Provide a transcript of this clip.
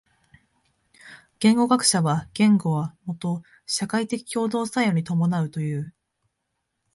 言語学者は言語はもと社会的共同作用に伴うという。